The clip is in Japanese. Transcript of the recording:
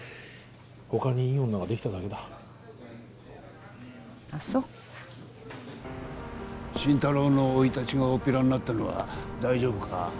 他にいい女ができただけだあっそう心太朗の生い立ちがおおっぴらになったのは大丈夫か？